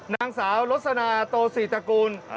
นางสาวลสนาโตศรีตระกูล